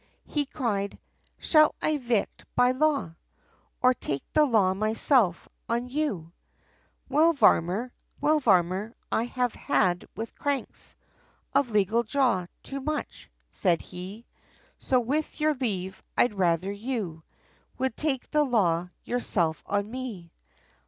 He cried "Shall I evict by Law? Or take the Law myself, on you?" "Well Varmer, I have had with cranks, Of legal jaw, too much," said he, "So with your leave, I'd rather you, Would take the law, yourself on me."